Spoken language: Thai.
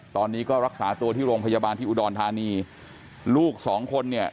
ตอนนี้ก็รักษาตัวที่โรงพยาบาลที่อุดรธานีลูกสองคนเนี่ย